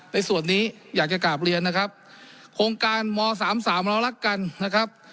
ในส่วนนี้อยากจะกลับเรียนนะครับโครงการม๓๓เรารักกันนะครับ